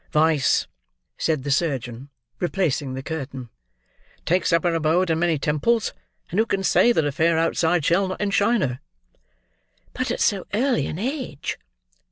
"Vice," said the surgeon, replacing the curtain, "takes up her abode in many temples; and who can say that a fair outside shall not enshrine her?" "But at so early an age!"